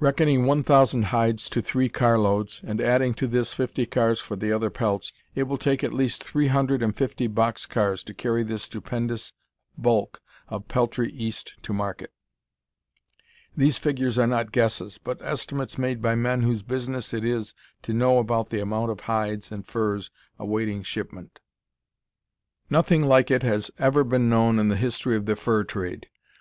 Reckoning one thousand hides to three car loads, and adding to this fifty cars for the other pelts, it will take at least three hundred and fifty box cars to carry this stupendous bulk of peltry East to market. These figures are not guesses, but estimates made by men whose business it is to know about the amount of hides and furs awaiting shipment. "Nothing like it has ever been known in the history of the fur trade.